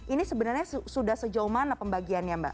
ini sebenarnya sudah sejauh mana pembagiannya mbak